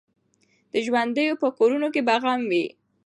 د ژوندیو په کورونو کي به غم وي